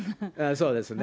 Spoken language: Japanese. そうですね。